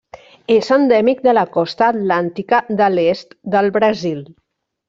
És endèmic de la costa atlàntica de l'est del Brasil.